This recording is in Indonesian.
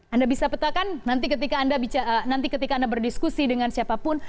anda bisa petakan nanti ketika anda berdiskusi dengan siapapun